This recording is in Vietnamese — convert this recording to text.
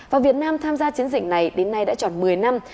và việt nam tham gia chiến dịch này đến nay đã tròn một mươi năm